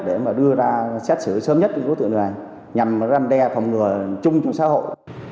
để mà đưa ra xét xử sớm nhất của tựa người nhằm răn đe phòng ngừa chung chủ xã hội